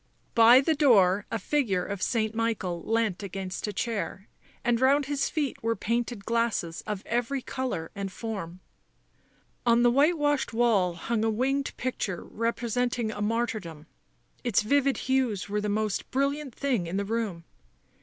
By the door a figure of St. Michael leant against a chair, and round his feet were painted glasses of every colour and form. On the whitewashed wall hung a winged picture repre senting a martyrdom; its vivid hues were the most brilliant thing in the room.